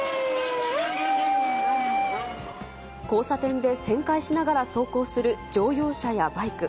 交差点で旋回しながら走行する乗用車やバイク。